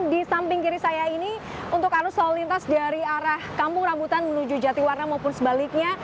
di samping kiri saya ini untuk arus lalu lintas dari arah kampung rambutan menuju jatiwarna maupun sebaliknya